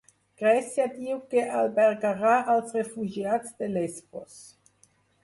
Grècia diu que albergarà als refugiats de Lesbos